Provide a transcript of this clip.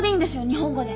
日本語で。